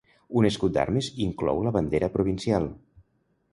Un escut d'armes inclou la bandera provincial.